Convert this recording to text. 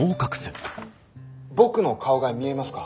僕の顔が見えますか？